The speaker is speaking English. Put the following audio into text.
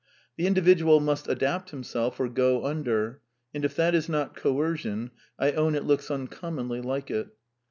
The individual must adapt himself or go under; and if that is not coercion, I own it looks uncommonly like it.